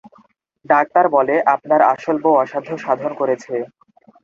Doctor বলে " আপনার আসল বউ অসাধ্য সাধন করেছে।